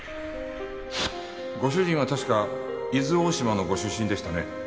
ご主人は確か伊豆大島のご出身でしたね？